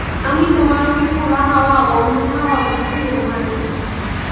আমি তোমার ঐ খোলা হাওয়া বন্ধ হাওয়া বুঝি নে ভাই!